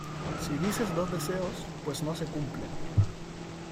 si dices dos deseos, pues no se cumplen.